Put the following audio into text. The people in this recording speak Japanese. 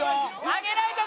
上げないと。